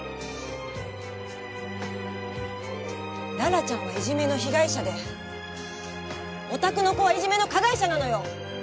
羅羅ちゃんはいじめの被害者でお宅の子はいじめの加害者なのよ！